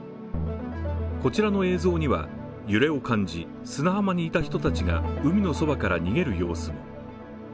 こちらの映像には、揺れを感じ、砂浜にいた人たちが海のそばから逃げる様子。